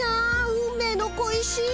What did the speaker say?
運命の小石。